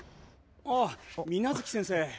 あっ水無月先生！